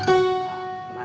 terus ma sekarang gimana